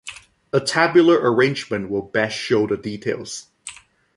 A tabular arrangement will best show the details.